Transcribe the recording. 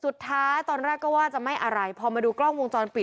สุดท้ายก็ว่าไม่อะไรพอมาดูกล้องวงจรปิด